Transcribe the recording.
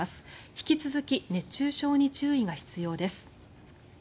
引き続き熱中症に注意が必要です。